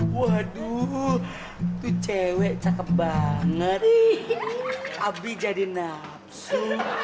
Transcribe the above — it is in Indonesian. waduh tuh cewek cakep banget abis jadi nafsu